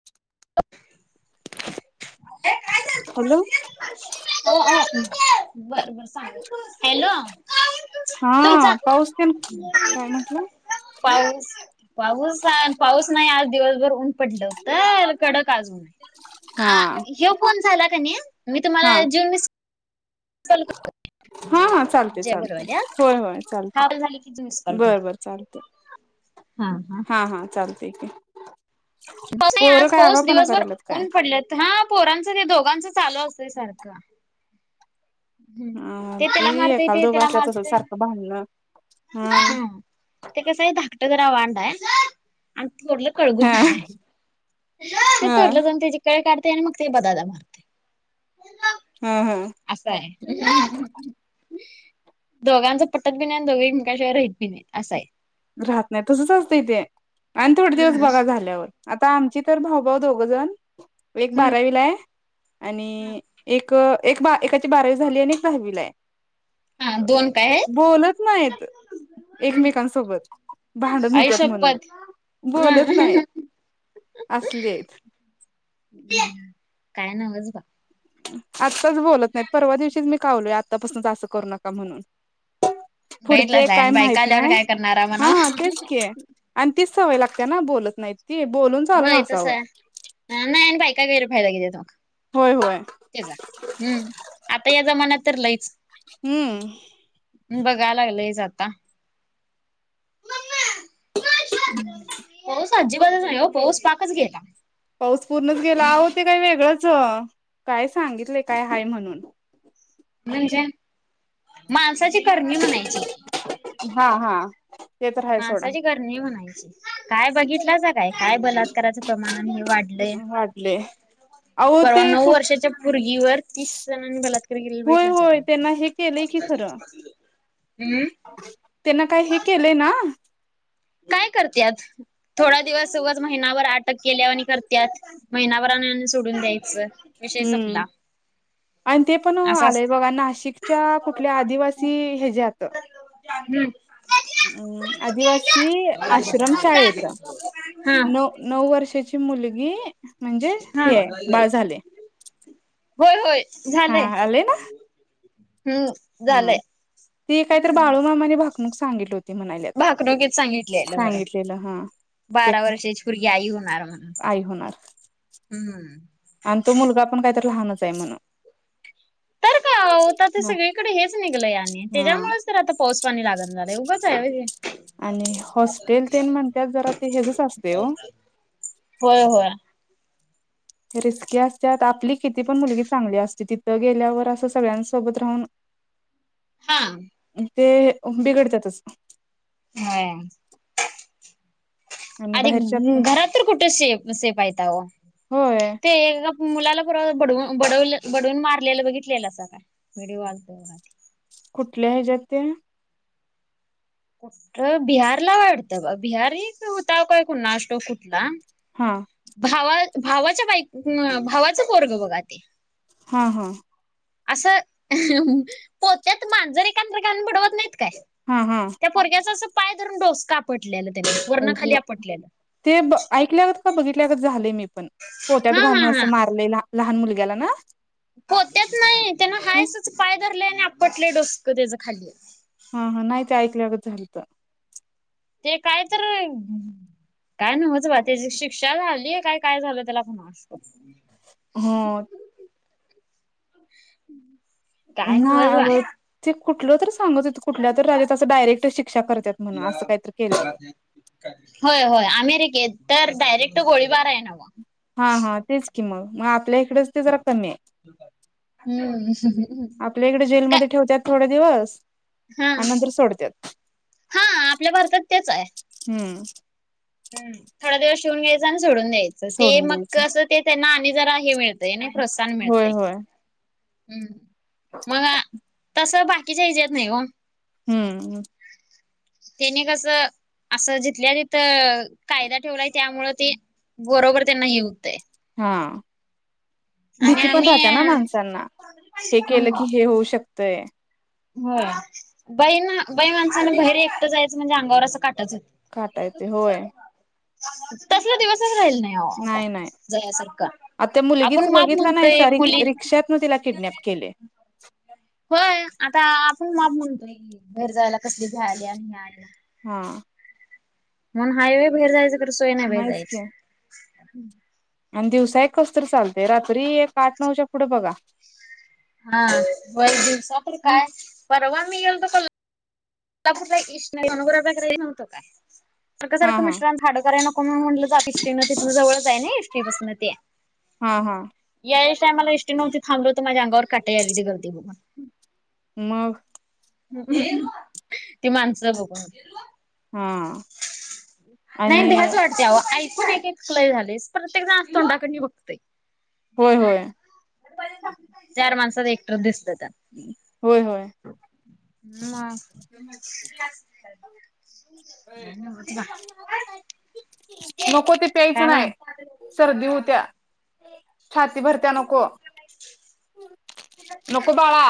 [inaudible] [inaudible] हो हॅलो. हो बर बर सांग हॅलो. तुमचा हा पाऊस तेन, काय म्हटलं? पाऊस पाऊस आ पाऊस नाही आज दिवसभर ऊन पडलं होतं, कडक आज ऊन. हा. हे फोन झाला का नाही मी हा तुम्हाला ज्युन मिस कॉल कर हा, हा चालतंय, चालतंय. होय, होय चालतंय. हा झाले की जून मिस कॉल बर, करतो बर चालतंय. हा, हा चालतंय की. बर हाय पोरं आज काय पाऊस आगावपणा दिवसभर करायलात काय ऊन पडलेवत. हा पोरांचं ते दोघांचं चालू असतंय सारखं. हम्म, अ ते ती त्याला मारतेय, एकाला ते दोघं त्याला असल्यावर तसंच मारतेय. सारखं भांडणं हा हम्म. ते कसं आहे धाकटं जरा वांड हाय. आणि थोरलं हा कळगूदन हाय. ते हा थोरलं जाऊन तेजी कळ काढतय आणि मग ते बदादा मारतय. हा, हा. असं हाय. दोघांचं पटत बी नाही आणि दोघं एकमेकाशिवाय राहित बी नाही असं आहे. राहत नाही तसंच असतंय ते आणि थोडे दिवस बघा झाल्यावर. आता आमची तर भाऊ भाऊ दोघं जण एक हम्म बारावीला हाय. आणि एक एक बा एकाची बारावी झाली आणि एक दहावीला आहे. हा दोन काय बोलत नाहीत आहेत एकमेकांसोबत. भांडण आई होत्यात म्हणून शपत बोलत नाहीत असली आहेत काय नामज बा. आत्ताच बोलत नाहीत. परवा दिवशीच मी कावलोय आत्तापासूनच असं करू नका म्हणून. पुढचं बघितलाच एक आहे काय आणि बायका माहित आल्यावर नाही. काय करणार म्हणा हा, तेच की. आणि तीच सवय लागते ना बोलत नाहीत. ती बोलून चालून होय तसं असावं आहे नाही आणि बायका गैरफायदा घेत तोग. होय होय. त्याचा हम्म आता या जमान्यात तर लईच हम्म. बघाय लागलं हेच आता. पाऊस अजिबातच नाही हो पऊस पाकच घेता. पाऊस पूर्णच गेला अहो ते काय वेगळंच काय सांगितले काय हाय म्हणून. [inaudible] म्हणजे माणसाची करणी म्हणायची हा हा ते तर हाय सोडा माणसाची कर णी म्हणायची काय बघितला जा काय काय बलात्काराच प्रमाण आणि हे वाढलंय वाटले अहो परवा ते नऊ कुठ वर्षाच्या पोरगी वर तीस जणांनी बलात्कार होय भेटला असं होय काय त्यांना हे केलंय की ते खरं हम्म. त्यांना काय हे केलंय ना? काय करत्यात थोडा दिवस उगच महिनावर अटक केल्या आणि करत्यात महिनाभर आणून आणि सोडून द्यायचं. विषय हम्म संपला. आणि ते पण हो अस आलंय असतंय. बघा नाशिकच्या कुठल्या आदिवा सी हेज्यात हम्म. हम्म आदिवासी आश्रम शाळेतं. नऊ नऊ वर्षाची मुलगी म्हणजे हा हे हा बाळ झाले. होय होय हा झालंय आले ना हम्म ह झालंय. ती कायत हम्म बाळूमामाने भाकमूक सांगितली होती म्हणाल्यात भाकणुकीत सांगितलेलं होय सांगितलेलं हा. ते बारा वर्षाची पोरगी आई होणार म्हणून आई होणार हम्म. आणि तो मुलगा पण काहीतरी लहानच आहे म्हणून. तो होता ते हा सगळीकडे हेच निघलय आणि हा. त्याच्यामुळेच तर आता पोसपानी लागण झालंय उगंच आहे वय हे. आणि हॉस्टेल तेन म्हणतातात जरा ते हेचच असते हो होय होय. रिस्की असत्यात आपली किती पण मुलगी चांगली असते तिथं गेल्यावर असं सगळ्यां सोबत राहून [inaudible] हा. ते बिघडतातच. होय. आणि अरे बाहेरच्या घरात तरी कुठे से सेफ आहे त्या हो होय ते मुलाला परवा बडवून बडवले बडवून मारलेलं बघितलेलंस काय व्हडिओ आलतं काय. कुठल्या हेज्यात ते? कुठं बिहारला वाटतं बा बिहारिच होता काय कुन्हाच ठाऊक कुठला? हा. भावा भावाच्या बाई भावाचं पोरगा बघा ते. हा हा. असं पोत्यात मांजर एखांद घालून बडवत नाहीत काय हा, हा. पोरगाच्या असं पाय धरून डोसकं आपटलेल त्यानं, वरन खाली आपटलेलं. ते ब ऐकल्यागात का बघितल्यागत झालंय मी पण. पोत्यात हा हा घालून हा. असं मारलेला लहान मुलग्याला ना? होत्याच नाही त्याना हायसच पाय धरले आणि आपटले डोसक त्याच खाली. हा हा नाही ते ऐकल्या गं झालतं. ते काय तर काय नव्हच बाय त्याची शिक्षा झालीय काय काय झालं त्याला फण असतो. हो. [inaudible] काय हा नव्हच बा होय, ते कुठलं तर सांगत होतो कुठल्या तर राज्यात असं डायरेक्ट शिक्षा करत्यात म्हण असं काहीतर केल्यावर. होय, होय अमेरिकेत तर डायरेक्ट गोळीबार आहे नव्हं. हा, हा तेच की मग, मग आपल्या इकडच ते जरा कमी आहे. हम्म. आपल्या इकडे काय जेलमध्ये ठेवत्यात थोडं दिवस हा, आणि नंतर सोडतात हा आपल्या भारतात तेच आहे. हम्म. हम्म थोडा दिवस ठेवून घ्यायचं आणि सोडून यच. ते सोडून मग द्यायचं कसं ते त्यांना आणि जरा हे मिळतंय नाही प्रोत्साहन होय मिळतंय. होय हम्म, मग तस बाकीच्या ह्येच्यात नाही ओ. हम्म. तेनी कसं असं जिथल्या तिथं कायदा ठेवलाय. त्यामुळं ते बरोबर त्यांना हे होतंय. हा. आणि भीती पण राहत्या आम्ही ना माणसांना. हे केलं हम्म की हे होऊ शकतंय. होय. बाईनं बाई माणसानं बाहेर एकटं जायचं म्हणजे अंगावर असं काटाच येतोय. काटा येतोय होय. तसलं दिवसच राहिलं नाही अहो आता जायासारखं. आता मुलगीच बघितला नाहीसा र रिक्षातनं तिला किडनॅप केले. होय आता आपण माप म्हणतोय की बाहेर जायला कसली भ्या आल्या आणि हे आल्या. हा. म्हणून हायवे बाहेर जायचं कधी सोय नाही बाई नाहीच की जायाची. आणि दिवसा एक कसतरी चालते. रात्री एक आठ नऊच्या पुढे बघा हा व्हय दिवसा तर ह काय परवा मी गेलतो क ल्हापुरला [unintelligible] न्हवत काय, सारखं हा सारखं हा मिस्टर आमचं खाड कराय नको म्हणून म्हटलं जा एसटीन तिथनं जवळ जाय नाई एसटीपासून जवळच ते. हा हा या [unintelligible] आम्हाला इष्टी नव्हती थांबलवतो माझ्या अंगावर काटे यालती गर्दी बघून. मग? ती माणसं बघून. हा नाही आणि भ्याच वाटते अहो. आई पण एक एक लई झालंय. प्रत्येक जण आस तोंडाकडनी बघतय. होय होय चार माणसात एकटच दिसलं तर. होय, होय. मग. हम्म, हम्म. काय न्हवच बा. नको ते प्यायचं काय नाही, म्हण सर्दी होत्या. छाती भरत्या नको, नको बाळा.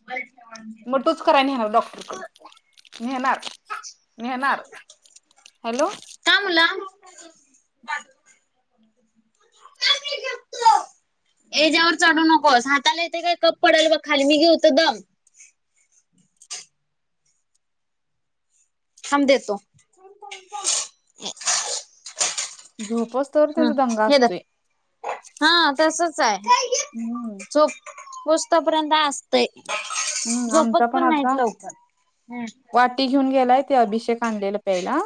[unintelligible] मग तोच कराय नेहणार डॉक्टरकडे नेहणार. नेहणार हॅलो. का मुलाम [inaudible] याच्यावर चढू नकोस हाताला येतय काय कप, पडेल बघ खाली मी घेतु दम. थांब देतो. झोपसोतवर हम्म त्याचा दंगा हे धर असतोय. हा तसचं आहे. हम्म झोप होस्तोपर्यंत असतंय. हम्म आमचा झोपत पण नाहीत आता लवकर. हम्म. वाटी घेऊन गेलाय कि अभिषेक आणलेला प्यायला.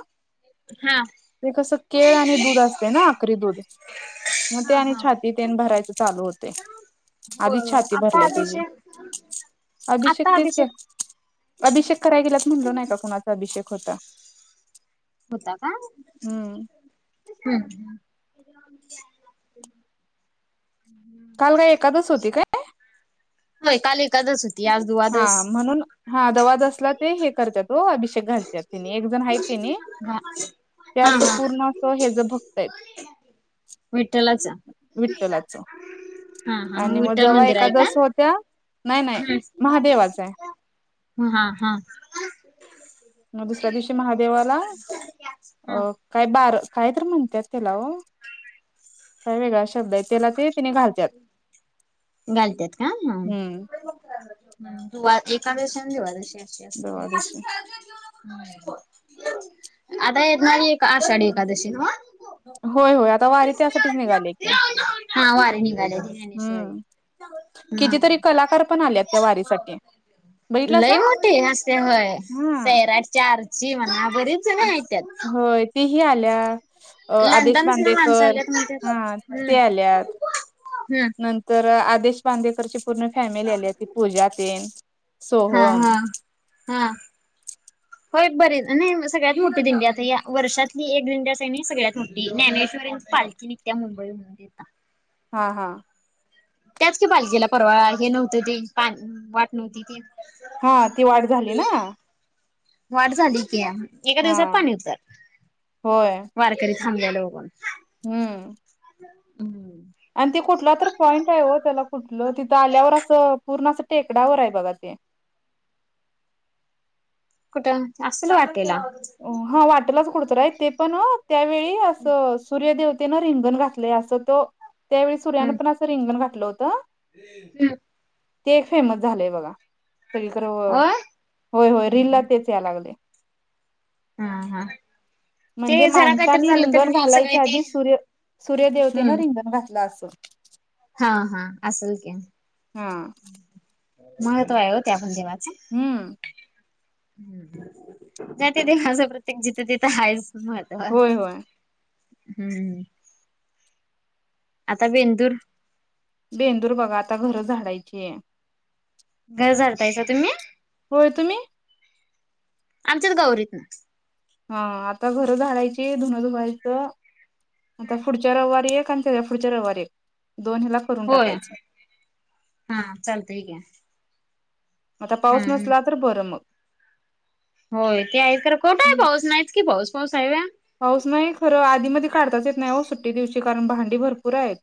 हा. ते कसं केळ आणि दूध असते ना अकरी दूध. म ते हा आणि हा छाती तेन भरायचे चालू होते होय आधीच होय छाती आता भरल्या तिची. अभिषेक अभिषेक तेच के अभिषेक कराय गेलात म्हटलो नाही का कुणा अभिषेक होता. होता का हम्म हम्म. काल बा य एकादस होती काय? होय काल एकदासं हा म्हणून हा दवा जसला ते हे करत्यात हो अभिष ते घालत्यात तिनी एक जण आहे ती नी हा. ते हा असं हा पूर्ण असं हेज भक्त आहे विठ्ठलाचा विठ्ठलाचा हा हा मग आणि म विठ्ठल जव्हा मंदिर आहे का? एकदस होत त्या नाही नाही महादेवाचा. हा हा. म दुसऱ्या दिवशी महादेवाला अ काय बारा काय तरी म्हणतात त्याला हो काय वेगळा शब्द आहे त्याला ते तिने घालत घालत्यात का हा. हम्म हम्म तू आ एकादशीने देवादशी अशी असते. द्वादशी आता येत नाही एक आषाढी एकादशीन हो. होय होय आता वारी त्यासाठीच निघाली की. हा वारी निघाले ज्ञानेश्वरी हम्म कितीतरी हम्म कलाकार पण आल्यात त्या वारीसाठी. बघितलासा लय मोठी हसते होय हा सैराडचा आरची म्हणा बरीच जण आहेत त्यात. होय तेही आल्या. अ आदेश लंडनसन माणसं बांदेकर आल्यात म्हणत्यात. हा हम्म ते आल्यात हम्म नं तर आदेश बांदेकरची पूर्ण फॅमिली आली ती पूजा तेन. हा सोहम हा हा. [inaudible] होय बरे नाही म सगळ्यात मोठी दिंडी आता या वर्षातली एक दिंडी असेल नी सगळ्यात मोठी ज्ञानेश्वरिंची पाल ति निघं त्या मुंबई म्हणुन देेता. हा हा. त्याच कि पालकीला परवा हे नव्हतं ते पा वाट नव्हती ती. हा ती वाढ झाली ना. वाढ झाली त्या एका हा दिवसात पाणी उतर होय वारकरी थांबलेला बघून. हम्म. [unintelligible] आणि ते कुठला तर पॉईंट आहे हो त्याला कुठलं तिथं आल्यावर असं पूर्ण असं टेकडावर आहे बघा ते. कुठं? असेल वाटेला. अं हा वाटलाच कुठतर आहे, ते पण ओ त्यावेळी असं सूर्यदेवतेनं रिंगण घातलंय असं तो त्यावेळीस सूर्यानं पण असं रिंगण घातलं होतं. हं. ते एक फेमस झालंय बघा सगळीकडे. हो होय. होय होय रिलला तेच द्या लागले हा हा. ते म्हणजे जरा काहीतरी माणसनी झालं तरी रिंगण रील सगळी घालायच्या ती आधी सूर्य सूर्य देेवतेनं हम्म रिंगण घातलं असं. हा हा असल की. हा. महत्व आहे हो त्या पण देवाचा. हम्म. ज्या त्या देवाच प्रत्येक जिथं तिथं आहेच मत. हम्म, होय होय हम्म. आता बेंदूर बेंदूर बघा आता घरं झाडायची आहे. घज झाडतायसा तुम्ही? होय. तुम्ही? आमच्याच गावरीतन हा आता घर झाडायची, धुनं धुवायचं. आता पुढच्या रविवारी एक आणि तेज्या पुढच्या रविवारी एक दोन हेला होय, हा चालतंय की. आता पाऊस हम्म. नसला तर बरं मग. होय ते आहेच खर कुठ हाय पाऊस नाहीच की पाऊस. पाऊस आहे व्हय? पाऊस नाही खरं आधी मधी काढताच येत नाही ओ सुट्टी दिवशी, कारण भांडी भरपूर आहेत.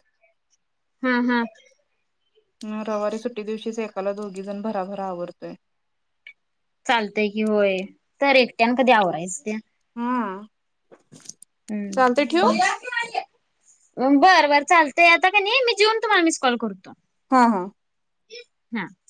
हा, हा. हा रवीवारी सुट्टी दिवशीच एकाला दोघी जण भराभर आवरतोय. चालतय की होय. तर एकट्यानं कधी आवरायच ते. हा. चालतय हम्म. ठेवू बरं बरं चालतंय आता कनई मी जेऊन तुम्हाला मिस कॉल करतो. हा, हा. हा.